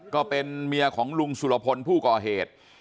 ก็เป็นเมียของลุงสุรพลผู้ก่อเหตุ